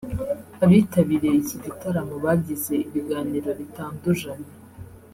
Abitabiriye iki gitaramo bagize ibiganiro bitandujanye